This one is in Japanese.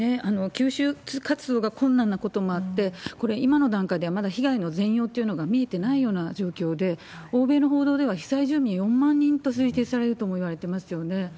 救出活動が困難なこともあって、これ、今の段階ではまだ被害の全容というのが見えてないような状況で、欧米の報道では被災住民４万人と推定されるともいわれてますよね。